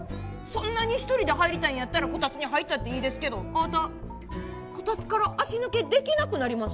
そんなに一人で入りたいんやったらこたつに入ったっていいですけどあなたこたつから足抜けできなくなりますよ。